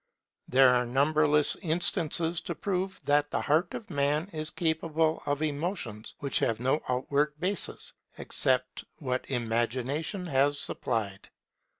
There are numberless instances to prove that the heart of Man is capable of emotions which have no outward basis, except what Imagination has supplied.